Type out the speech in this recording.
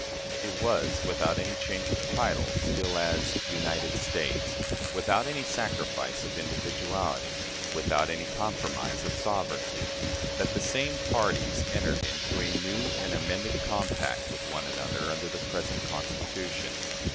It was without any change of title still as "United States" without any sacrifice of individuality without any compromise of sovereignty that the same parties entered into a new and amended compact with one another under the present Constitution.